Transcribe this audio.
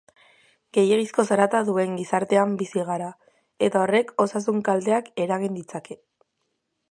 Gehiegizko zarata duen gizartean bizi gara eta horrek osasun kalteak eragin ditzake.